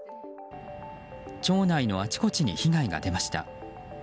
町内のあちこちに被害が出ました。